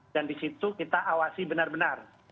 dan di situ kita awasi benar benar